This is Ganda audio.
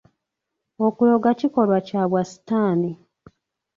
Okuloga kikolwa kya bwa sitaani.